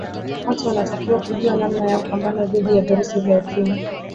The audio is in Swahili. watu wanatakiwa kujua namna ya kupambana dhidi ya virusi vya ukimwi